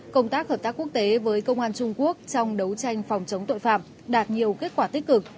công tác hợp tác quốc tế với công an trung quốc trong đấu tranh phòng chống tội phạm đạt nhiều kết quả tích cực